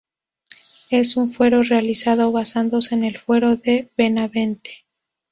Es un fuero realizado basándose en el Fuero de Benavente.